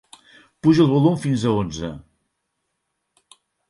Puja el volum fins a onze.